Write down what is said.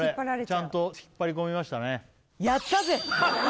ちゃんと引っ張りこみましたね